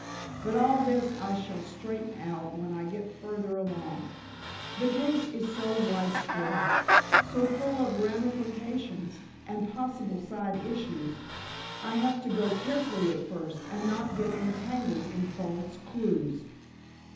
But all this I shall straighten out when I get further along. The case is so widespread, so full of ramifications and possible side issues, I have to go carefully at first, and not get entangled in false clues."